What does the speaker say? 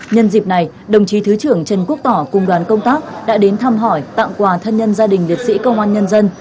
nhân dịp này đồng chí thứ trưởng trần quốc tỏ cùng đoàn công tác đã đến thăm hỏi tặng quà thân nhân gia đình liệt sĩ công an nhân dân